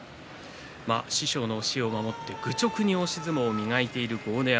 師匠の教えを守って愚直に押し相撲を磨いている豪ノ山。